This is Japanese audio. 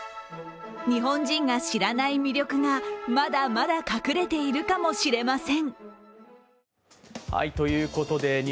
日本人が知らない魅力がまだまだ隠れているかもしれません。